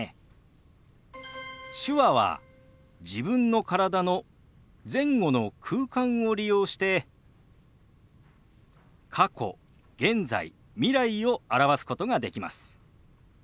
手話は自分の体の前後の空間を利用して過去現在未来を表すことができます。